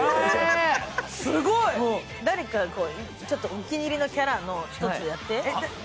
お気に入りのキャラの一つ、やって。